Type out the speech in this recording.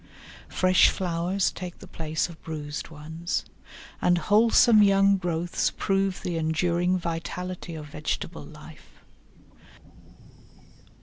Fresh flowers take the place of bruised ones, and wholesome young growths prove the enduring vitality of vegetable life.